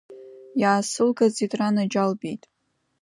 Иаасылгаӡеит, ранаџьалбеит…